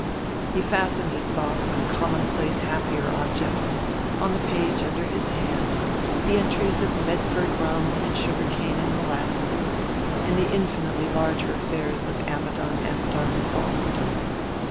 He fastened his thoughts on commonplace happier objects, on the page under his hand, the entries of Medford rum and sugar cane and molasses, and the infinitely larger affairs of Ammidon, Ammidon and Saltonstone.